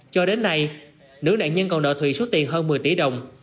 cho đến nay nữ nạn nhân còn nợ thụy suốt tiền hơn một mươi tỷ đồng